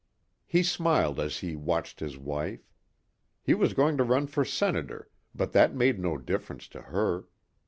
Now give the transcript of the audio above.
He smiled as he watched his wife. He was going to run for Senator but that made no difference to her.